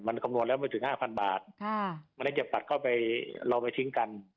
มันคำนวณแล้วไม่ถึงห้าพันบาทค่ะมันน่าจะตัดเข้าไปเราไปทิ้งกัน